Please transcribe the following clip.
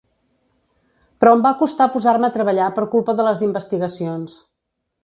Però em va costar posar-me a treballar per culpa de les investigacions.